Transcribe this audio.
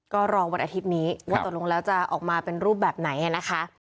ก็รอวันอาทิตย์นี้ว่าตกลงแล้วจะออกมาเป็นรูปแบบไหนนะคะ